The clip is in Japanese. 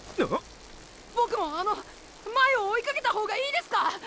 ボクもあの前を追いかけたほうがいいですか？